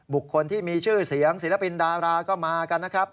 คนที่มีชื่อเสียงศิลปินดาราก็มากันนะครับ